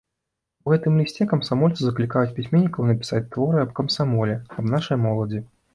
У гэтым лісце камсамольцы заклікаюць пісьменнікаў напісаць творы аб камсамоле, аб нашай моладзі.